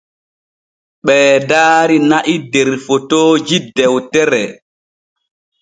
Ɓee daari na’i der fotooji dewtere.